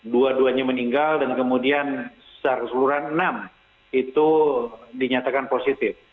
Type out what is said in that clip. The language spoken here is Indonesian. dua duanya meninggal dan kemudian secara keseluruhan enam itu dinyatakan positif